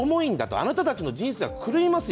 あなたたちの人生は狂いますよ